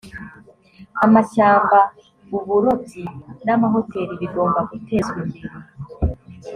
amashyamba uburobyi n’ ama hoteri bigomba gutezwa imbere